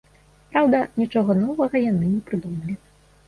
Праўда, нічога новага яны не прыдумалі.